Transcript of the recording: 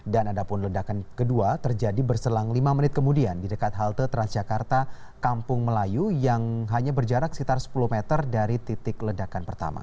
dan ada pun ledakan kedua terjadi berselang lima menit kemudian di dekat halte transjakarta kampung melayu yang hanya berjarak sekitar sepuluh meter dari titik ledakan pertama